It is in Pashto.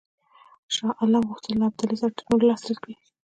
شاه عالم غوښتل له ابدالي سره تړون لاسلیک کړي.